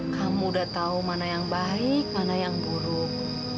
kamu udah tahu mana yang baik mana yang buruk